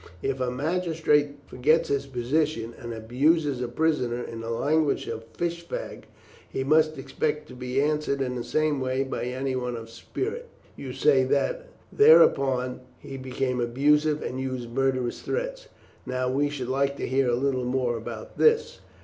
If a magistrate forgets his position, and abuses a prisoner in the language of a fish fag, he must expect to be answered in the same way by anyone of spirit. You say that, thereupon, he became abusive and used murderous threats? Now we should like to hear a little more about this.